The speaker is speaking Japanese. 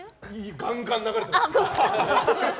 ガンガン流れてます。